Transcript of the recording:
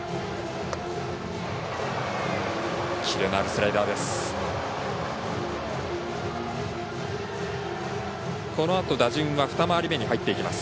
キレのあるスライダーです。